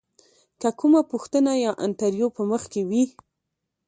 که کومه پوښتنه یا انتریو په مخ کې وي.